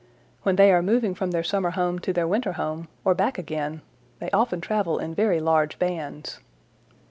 When they are moving from their summer home to their winter home, or back again, they often travel in very large bands.